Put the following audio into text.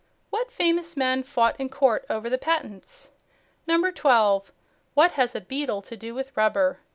What famous men fought in court over the patents? 12. What has a beetle to do with rubber?